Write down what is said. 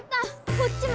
こっちも！